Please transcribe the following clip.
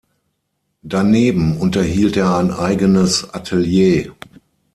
Daneben unterhielt er ein eigenes Atelier.